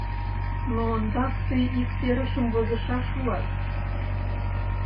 — Но ондак тый ик серышым возышаш улат.